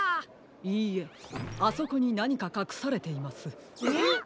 いいえあそこになにかかくされています。